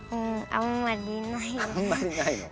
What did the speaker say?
あんまりないの？